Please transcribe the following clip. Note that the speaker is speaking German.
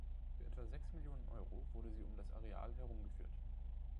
Für etwa sechs Millionen Euro wurde sie um das Areal herumgeführt.